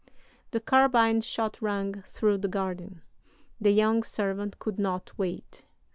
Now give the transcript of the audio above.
"The carbine shot rang through the garden. The young servant could not wait.